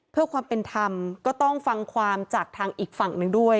เพื่อความเป็นธรรมก็ต้องฟังความจากทางอีกฝั่งหนึ่งด้วย